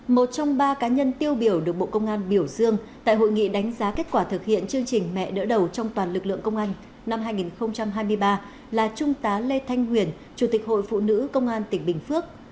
một trong ba cá nhân tiêu biểu được bộ công an biểu dương tại hội nghị đánh giá kết quả thực hiện chương trình mẹ đỡ đầu trong toàn lực lượng công an năm hai nghìn hai mươi ba là trung tá lê thanh huyền chủ tịch hội phụ nữ công an tỉnh bình phước